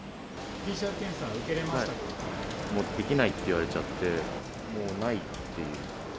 ＰＣＲ検査、もうできないって言われちゃって、もうないっていう。